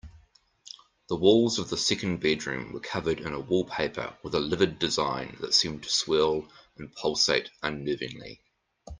The walls of the second bedroom were covered in a wallpaper with a livid design that seemed to swirl and pulsate unnervingly.